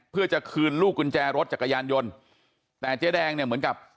เพื่อจะคืนลูกกุญแจรถจักรยานยนต์แต่เจ๊แดงเนี่ยเหมือนกับ